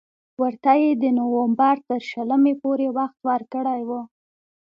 ورته یې د نومبر تر شلمې پورې وخت ورکړی وو.